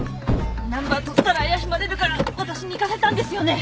ナンバー撮ったら怪しまれるから私に行かせたんですよね。